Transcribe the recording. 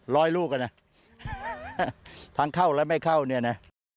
ร้อยลูกอ่ะน่ะทั้งเข้าแล้วไม่เข้าเนี้ยน่ะ